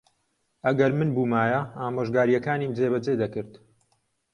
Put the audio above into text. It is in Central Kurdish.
ئەگەر من بوومایە، ئامۆژگارییەکانیم جێبەجێ دەکرد.